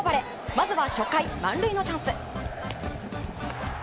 まずは初回、満塁のチャンス。